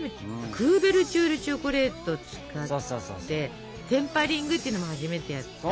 クーベルチュールチョコレートを使ってテンパリングっていうのも初めてやったでしょ。